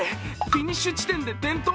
フィニッシュ地点で転倒。